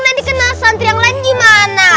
nanti kenal santri yang lain gimana